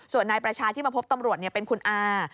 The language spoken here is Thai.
ส่วนนายประชาที่มาพบตำรวจเป็นคุณอา